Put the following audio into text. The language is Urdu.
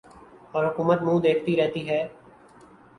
اور حکومت منہ دیکھتی رہتی ہے